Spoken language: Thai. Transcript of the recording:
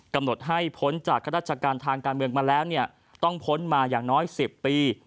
กำหนดให้พ้นจากข้าราชการทางการเมืองมาแล้วเนี่ยต้องพ้นมาอย่างน้อย๑๐ปี